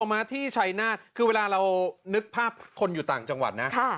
มาที่ชัยนาธิ์คือเวลาเรานึกภาพคนอยู่ต่างจังหวัดนะ